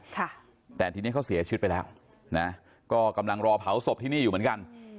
ค่ะแต่ทีนี้เขาเสียชีวิตไปแล้วนะก็กำลังรอเผาศพที่นี่อยู่เหมือนกัน